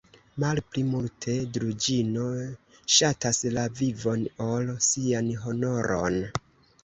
Malpli multe Druĵino ŝatas la vivon, ol sian honoron!